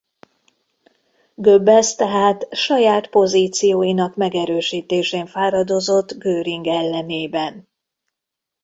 Goebbels tehát saját pozícióinak megerősítésén fáradozott Göring ellenében.